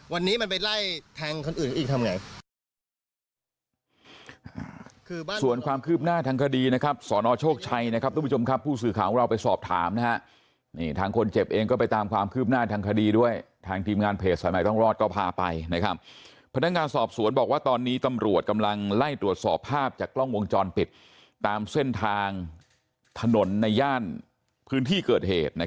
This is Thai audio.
วันนี้มันไปไล่แทงคนอื่นอีกทำไง